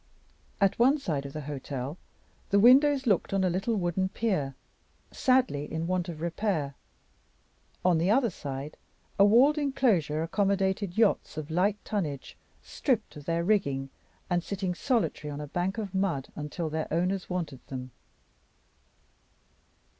At one side of the hotel, the windows looked on a little wooden pier, sadly in want of repair. On the other side, a walled inclosure accommodated yachts of light tonnage, stripped of their rigging, and sitting solitary on a bank of mud until their owners wanted them.